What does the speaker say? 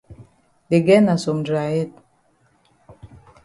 De girl na some dry head.